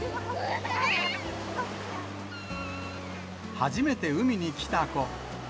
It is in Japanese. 初めて海に来た子。